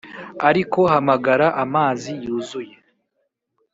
ariko hamagara amazi yuzuye.